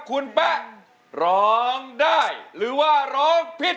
คุณแป๊ะร้องได้หรือว่าร้องผิด